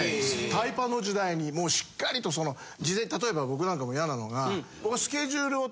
タイパの時代にもうしっかりと例えば僕なんかも嫌なのが僕は。